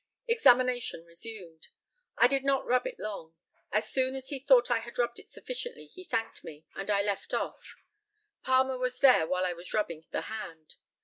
Examination resumed. I did not rub it long. As soon as he thought I had rubbed it sufficiently he thanked me, and I left off. Palmer was there while I was rubbing the hand.